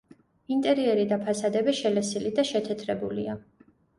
ინტერიერი და ფასადები შელესილი და შეთეთრებულია.